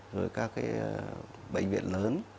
rồi các cái bệnh viện lớn